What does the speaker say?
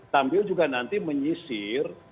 sambil juga nanti menyisir